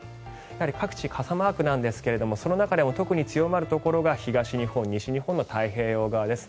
各地、傘マークなんですがその中でも特に強まるところが東日本、西日本の太平洋側です。